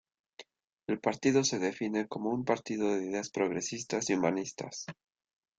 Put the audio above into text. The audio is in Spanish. El partido se define como un partido de ideas progresistas y humanistas.